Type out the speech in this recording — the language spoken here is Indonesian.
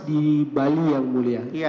di bali yang mulia